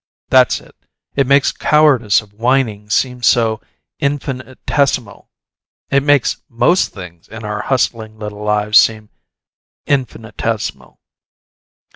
That's it. It makes cowardice of whining seem so infinitesimal it makes MOST things in our hustling little lives seem infinitesimal."